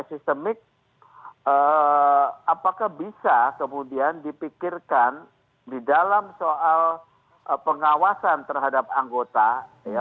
sistemik apakah bisa kemudian dipikirkan di dalam soal pengawasan terhadap anggota ya